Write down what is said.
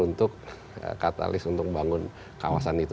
untuk katalis untuk bangun kawasan itu